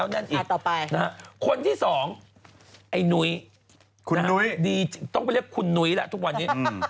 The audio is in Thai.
คนที่สองไอ้นุ้ยต้องไปเรียกคุณนุ้ยทุกวันนี้